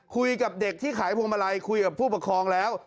คุยกับเด็กที่ขายพวงมาลัยคุยกับผู้ปกครองแล้ว